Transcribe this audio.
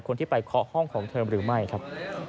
คนที่ไปเคาะห้องของเธอหรือไม่ครับ